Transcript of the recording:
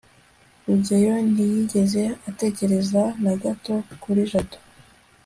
rugeyo ntiyigeze atekereza na gato kuri jabo